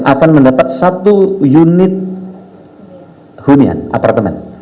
akan mendapat satu unit hunian apartemen